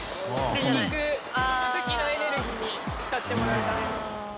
離陸の時のエネルギーに使ってもらうため。